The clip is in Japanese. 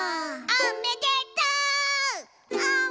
「おめでとう！」